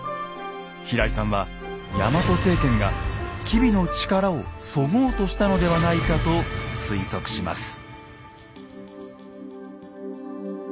平井さんはヤマト政権が吉備の力をそごうとしたのではないかと推測します。